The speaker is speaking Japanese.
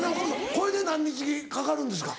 これで何日かかるんですか？